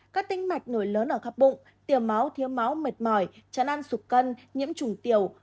các tinh mạch nổi lớn ở khắp bụng tiều máu thiếu máu mệt mỏi chán ăn sụp cân nhiễm trùng tiểu